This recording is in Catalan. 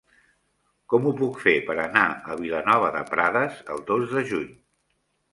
Com ho puc fer per anar a Vilanova de Prades el dos de juny?